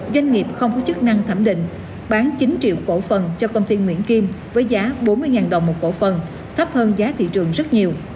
doanh nghiệp không có chức năng thẩm định bán chín triệu cổ phần cho công ty nguyễn kim với giá bốn mươi đồng một cổ phần thấp hơn giá thị trường rất nhiều